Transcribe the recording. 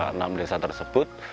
enam desa tersebut